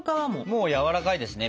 もうやわらかいですね